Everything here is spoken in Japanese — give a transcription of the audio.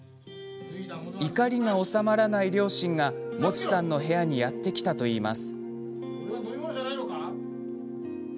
怒りが収まらない両親がもちさんの部屋にやって来たといいます。